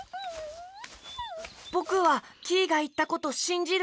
ぼくはキイがいったことしんじるよ。